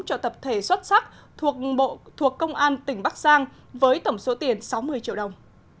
cho tập thể xuất sắc thuộc công an tỉnh bắc giang với tổng số tiền sáu mươi triệu đồng